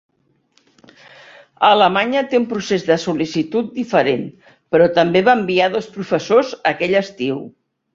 Alemanya té un procés de sol·licitud diferent, però també va enviar dos professors aquell estiu.